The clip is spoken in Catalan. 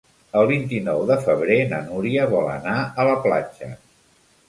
El vint-i-nou de febrer na Núria vol anar a la platja.